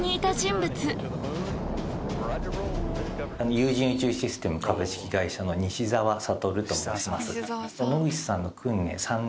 有人宇宙システム株式会社の西澤智と申します。